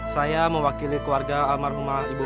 sudah ingat ikhlasi mimpimu